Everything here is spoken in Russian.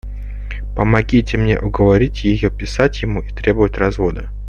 Помогите мне уговорить ее писать ему и требовать развода!